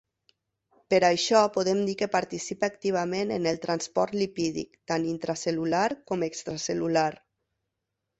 Per això podem dir que participa activament en el transport lipídic tant intracel·lular com extracel·lular.